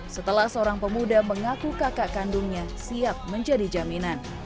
setelah seorang pemuda mengaku kakak kandungnya siap menjadi jaminan